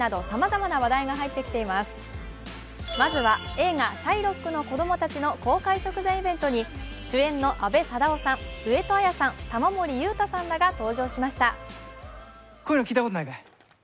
まずは映画「シャイロックの子供たち」の公開直前イベントに主演の阿部サダヲさん、上戸彩さん玉森裕太さんらが登場しました。